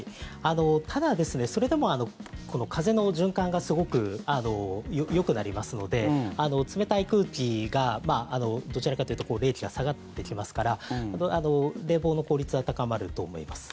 ただ、それでも風の循環がすごくよくなりますので冷たい空気が、どちらかというと冷気が下がってきますから冷房の効率は高まると思います。